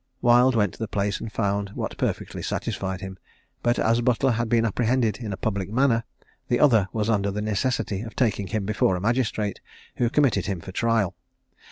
Wild went to the place, and found what perfectly satisfied him; but as Butler had been apprehended in a public manner, the other was under the necessity of taking him before a magistrate, who committed him for trial.